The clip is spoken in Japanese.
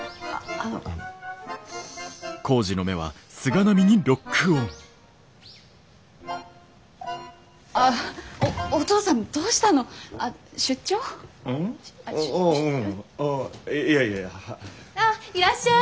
ああいらっしゃい。